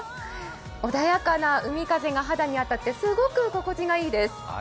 穏やかな海風が肌に当たってすごく心地がいいです。